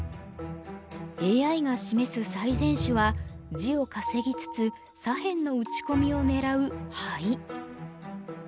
ＡＩが示す最善手は地を稼ぎつつ左辺の打ち込みを狙うハイ。